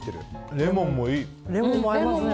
レモンもいい。